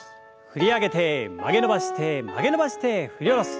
振り上げて曲げ伸ばして曲げ伸ばして振り下ろす。